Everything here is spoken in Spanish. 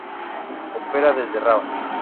Opera desde Rabat.